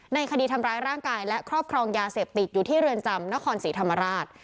ในคดีทำร้ายร่างกายและครอบครองยาเสพติดอยู่ที่เรือนจำนครศรีธรรมราช